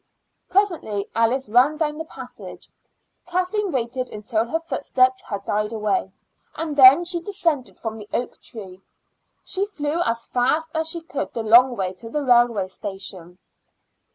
Presently Alice ran down the passage. Kathleen waited until her footsteps had died away, and then she descended from the oak tree. She flew as fast as she could the long way to the railway station.